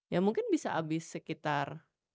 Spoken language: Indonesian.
ya mungkin bisa abis sekitar